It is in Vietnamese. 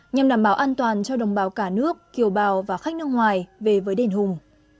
nhằm đảm bảo an toàn cho đồng bào cả nước kiều bào và khách nước ngoài về với đền hùng